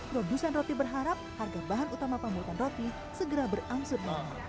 produsen roti berharap harga bahan utama pembuatan roti segera berangsur normal